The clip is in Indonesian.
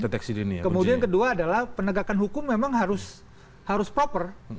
kemudian yang kedua adalah pendegakan hukum memang harus proper